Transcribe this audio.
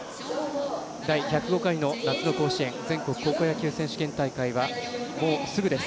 第１０５回の夏の甲子園全国高校野球選手権大会はもうすぐです。